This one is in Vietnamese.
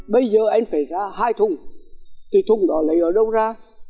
bây giờ anh phải ra hai thùng thì thùng đó lại ở đâu ra